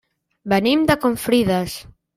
Venim de Confrides.